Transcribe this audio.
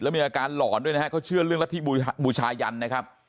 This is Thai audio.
แล้วมีอาการหล่อนด้วยนะครับเขาเชื่อเรื่องละที่บูชายันนะครับ